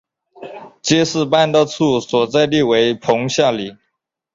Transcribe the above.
街道办事处所在地为棚下岭。